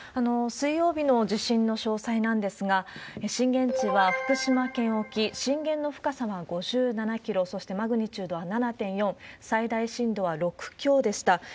水曜日の地震の詳細なんですが、震源地は福島県沖、震源の深さは５７キロ、そしてマグニチュードは７．４、最大震度は６強でした。